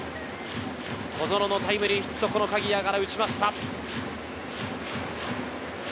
小園のタイムリーヒット、鍵谷から打ちました。